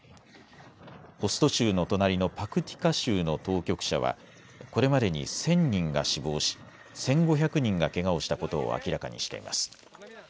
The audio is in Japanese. ホスト州の隣のパクティカ州の当局者はこれまでに１０００人が死亡し、１５００人がけがをしたことを明らかにしています。